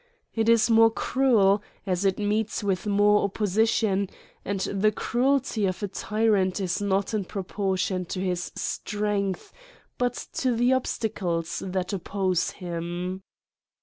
It is more cruel, as it meets with more opposition, and the cruelty of a tyrant is not in proportion to his strength, but to the obstacles that oppose him.